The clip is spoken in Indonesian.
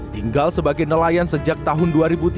tinggal sebagai nelayan sejak tahun dua ribu tiga belas